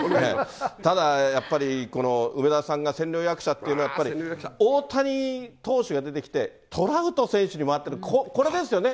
ただ、やっぱり梅沢さんが千両役者っていうのは、やっぱり大谷投手が出てきて、トラウト選手もあって、これですよね。